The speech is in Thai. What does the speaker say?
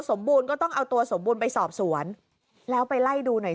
บูรณก็ต้องเอาตัวสมบูรณ์ไปสอบสวนแล้วไปไล่ดูหน่อย